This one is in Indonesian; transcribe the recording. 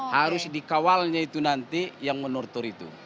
harus dikawalnya itu nanti yang menortor itu